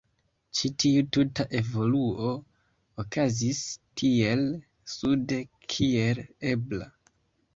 Ĉi tiu tuta evoluo okazis tiel sude kiel ebla.